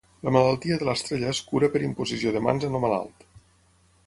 La malaltia de l'estrella es cura per imposició de mans en el malalt.